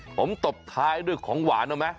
ผมตบท้ายด้วยของหวานเอาไหม